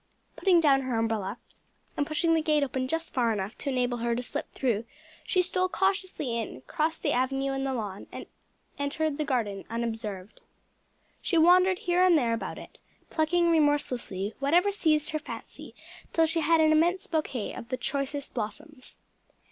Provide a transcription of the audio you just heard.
Putting down her umbrella and pushing the gate open just far enough to enable her to slip through, she stole cautiously in, crossed the avenue and the lawn, and entered the garden unobserved. She wandered here and there about it, plucking remorselessly whatever seized her fancy, till she had an immense bouquet of the choicest blossoms.